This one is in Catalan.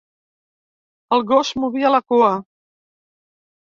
El gos movia la cua.